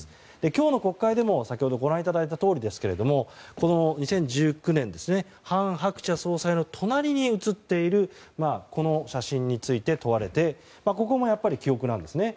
今日の国会でも先ほどご覧いただいたとおりですが、２０１９年韓鶴子総裁の隣に写っている写真について問われてここもやっぱり記憶なんですね。